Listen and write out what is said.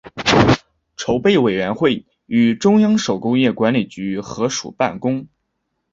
筹备委员会与中央手工业管理局合署办公。